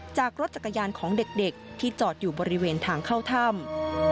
จากรถจักรยานของเด็กที่จอดอยู่บริเวณทางเข้าถ้ำ